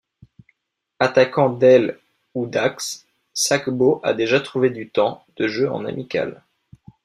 Attaquant d'aile ou d'axe, Sagbo a déjà trouvé du temps de jeu en amical.